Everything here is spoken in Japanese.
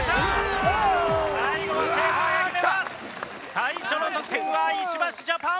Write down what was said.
最初の得点は石橋ジャパン。